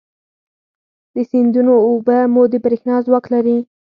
د سیندونو اوبه مو د برېښنا ځواک لري.